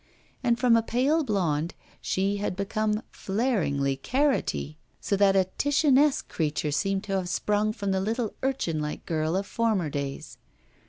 And from a pale blonde she had become flaringly carrotty; so that a Titianesque creature seemed to have sprung from the little urchin like girl of former days.